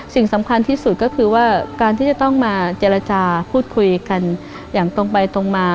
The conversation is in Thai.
สิ่งสำคัญที่สุดก็คือว่าการที่จะต้องมาเจรจาพูดคุยกันอย่างตรงไปตรงมา